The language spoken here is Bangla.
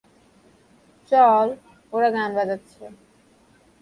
চল, ওরা গান বাজাচ্ছে।